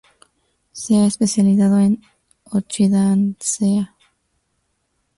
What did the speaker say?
Se ha especializado en Orchidaceae.